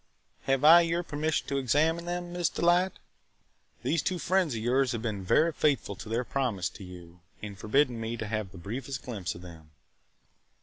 Have I your permission to examine them, Miss Delight? These two friends of yours have been very faithful to their promise to you, in forbidding me to have the briefest glimpse of them."